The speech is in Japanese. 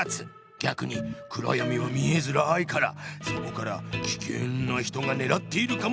逆に暗闇は見えづらいからそこからき険な人がねらっているかもしれないんだよ。